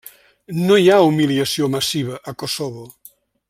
No hi ha humiliació massiva a Kosovo.